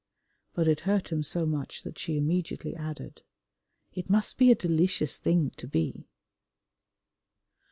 But it hurt him so much that she immediately added, "It must be a delicious thing to be."